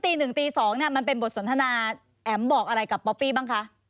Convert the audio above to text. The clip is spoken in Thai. ตี๑ตี๒เนี่ยมันเป็นบทสนทนาแอ๋มบอกอะไรกับป๊อปปี้บ้างคะ